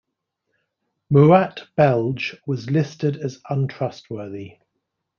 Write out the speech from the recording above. Murat Belge was listed as untrustworthy.